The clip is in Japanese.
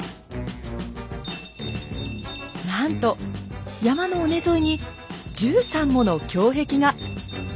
なんと山の尾根沿いに１３もの胸壁が。